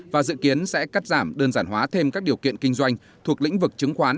và dự kiến sẽ cắt giảm đơn giản hóa thêm các điều kiện kinh doanh thuộc lĩnh vực chứng khoán